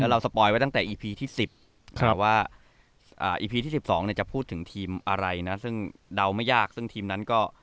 แล้วเราไว้ตั้งแต่ที่สิบครับว่าอ่าที่สิบสองเนี่ยจะพูดถึงทีมอะไรนะซึ่งเดาไม่ยากซึ่งทีมนั้นก็